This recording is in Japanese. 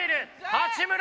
八村！